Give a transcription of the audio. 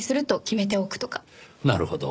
なるほど。